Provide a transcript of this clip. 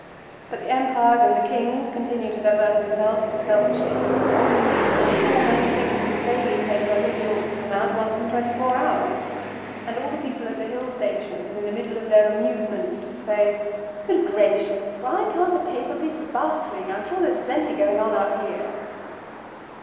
But the Empires and the Kings continue to divert themselves as selfishly as before, and the foreman thinks that a daily paper really ought to come out once in twenty four hours, and all the people at the Hill stations in the middle of their amusements say:—"Good gracious! Why can't the paper be sparkling? I'm sure there's plenty going on up here."